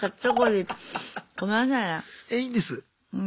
えいいんです。